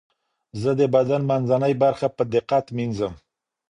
زه د بدن منځنۍ برخه په دقت مینځم.